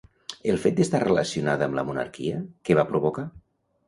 El fet d'estar relacionada amb la monarquia, què va provocar?